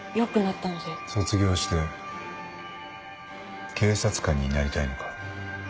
卒業して警察官になりたいのか？